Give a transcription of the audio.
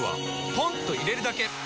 ポンと入れるだけ！